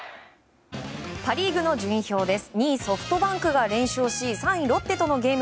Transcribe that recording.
パ・リーグの順位表です。